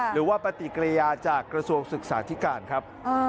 หรือว่าปฏิกิริยาจากกระทรวงศึกษาธิการครับ